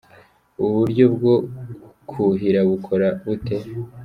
Ubu buryo bwo kuhira bukora bute?.